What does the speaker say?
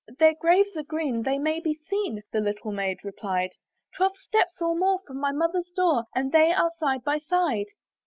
"Their graves are green, they may be seen," The little Maid replied, "Twelve steps or more from my mother's door, "And they are side by side.